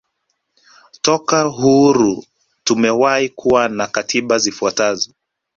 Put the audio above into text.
Toka uhuru tumewahi kuwa na katiba zifuatazo